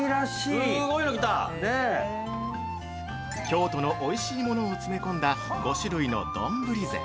京都のおいしいものを詰め込んだ５種類の丼膳。